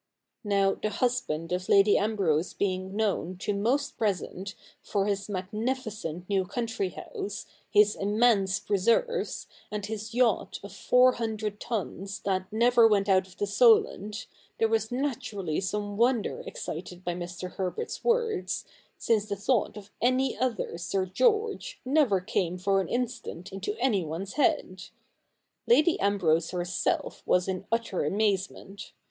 Now, the husband of Lady Ambrose being known to most present for his magnificent new country house, his immense preserves, and his yacht of four hundred tons that never went out of the Solent, there was naturally some wonder excited by Mr. Herbert's words, since the thought of any other Sir George never came for an in stant into anyone's head. Lady Ambrose herself was in utter amazement.